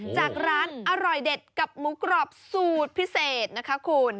จากร้านอร่อยเด็ดกับหมูกรอบสูตรพิเศษนะคะคุณ